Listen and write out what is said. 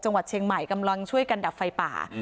จังหวัดเชียงใหม่กำลังช่วยกันดับไฟป่า